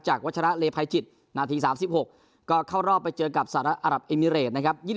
วัชระเลภัยจิตนาที๓๖ก็เข้ารอบไปเจอกับสหรัฐอรับเอมิเรตนะครับ